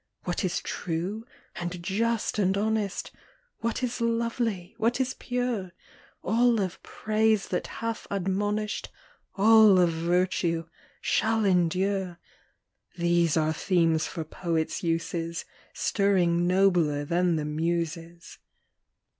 What is true and just and honest, What is lovely, what is pure, — All of praise that hath admonish'd, All of virtue, shall endure, — These are themes for poets' uses, Stirring nobler than the Muses.